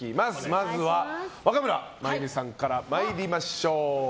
まずは若村麻由美さんから参りましょう。